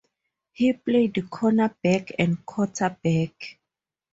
He played cornerback and quarterback.